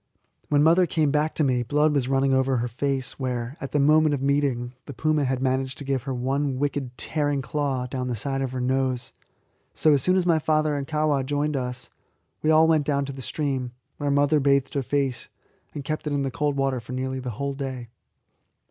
When mother came back to me blood was running over her face, where, at the moment of meeting, the puma had managed to give her one wicked, tearing claw down the side of her nose. So, as soon as my father and Kahwa joined us, we all went down to the stream, where mother bathed her face, and kept it in the cold water for nearly the whole day.